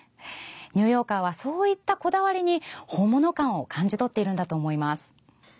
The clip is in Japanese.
ニューヨーカーはそういったこだわりに本物感を感じ取っているんだと思います。